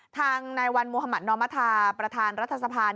ทางนายวันมุธมัธนอมธาประธานรัฐสภา